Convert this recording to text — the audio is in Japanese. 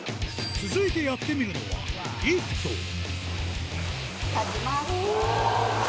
続いてやってみるのは、立ちます。